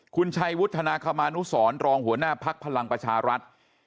คุณชัยวุฒนาคมานุสรรองหัวหน้าภักดิ์พลังประชารัฐ